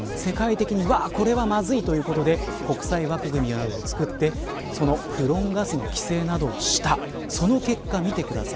世界的にこれはまずいということで国際枠組みなどを作ってそのフロンガスの規制などをしたその結果、見てください。